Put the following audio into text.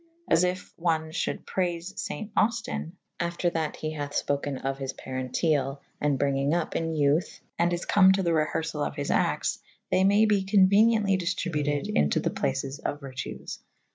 As if one I'huld prayfe faint Auften / after that he hath spoken of his parentele [B viii b] and bryngynge vp in youth /and is come to the reherfall of his actes / they may be conuenientlj dif tributed into the places of vertues.